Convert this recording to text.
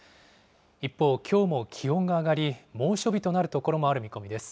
一方、きょうも気温が上がり、猛暑日となる所もある見込みです。